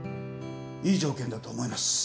いい条件だと思います。